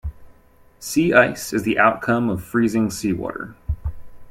Sea ice is the outcome of freezing seawater.